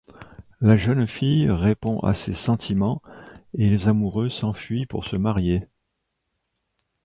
La jeune fille répond à ses sentiments et les amoureux s'enfuient pour se marier.